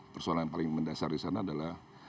persoalan yang paling mendasar disana adalah